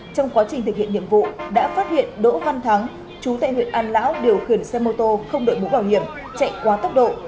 trong quá trình thực hiện nhiệm vụ đã phát hiện đỗ văn thắng chú tại huyện an lão điều khiển xe mô tô không đội mũ bảo hiểm chạy quá tốc độ